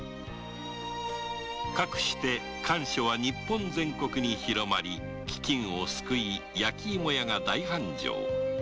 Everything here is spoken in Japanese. かくして甘藷は日本全国に広まり飢きんを救い焼きイモ屋が大繁盛